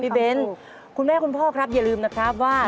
เบ้นคุณแม่คุณพ่อครับอย่าลืมนะครับว่า